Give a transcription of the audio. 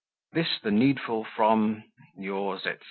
This the needful from Yours, etc.